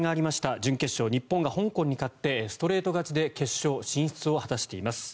準決勝、日本が香港に勝ってストレート勝ちで決勝進出を果たしています。